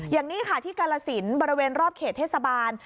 อย่างนี้ค่ะที่กาลสินบริเวณรอบเขตเทศบาล